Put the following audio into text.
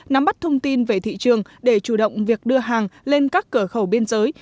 nắm bắt thông tin về thị trường để chủ động việc đưa hàng lên các cửa khẩu biên giới